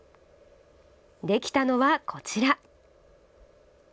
できたのはこちら。